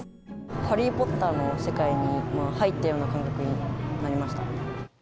ハリー・ポッターの世界に入ったような感覚になりました。